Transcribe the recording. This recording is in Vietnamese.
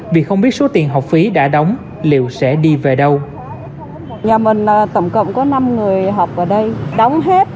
vì không biết số tiền học phí đã đóng